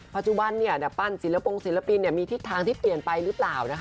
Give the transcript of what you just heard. ปัจจุบันปั้นศิลปงศิลปินมีทิศทางที่เปลี่ยนไปหรือเปล่านะคะ